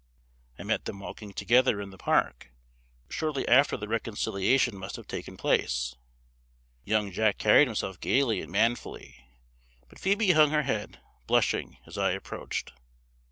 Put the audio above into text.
I met them walking together in the park, shortly after the reconciliation must have taken place. Young Jack carried himself gaily and manfully; but Phoebe hung her head, blushing, as I approached.